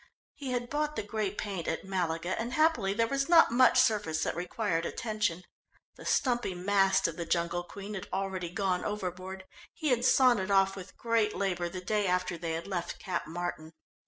He had bought the grey paint at Malaga, and happily there was not much surface that required attention. The stumpy mast of the Jungle Queen had already gone overboard he had sawn it off with great labour the day after they had left Cap Martin.